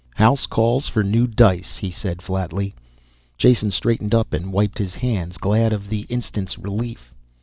"House calls for new dice," he said flatly. Jason straightened up and wiped his hands, glad of the instant's relief.